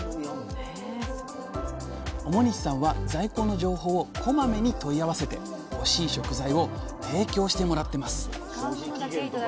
表西さんは在庫の情報をこまめに問い合わせて欲しい食材を提供してもらってます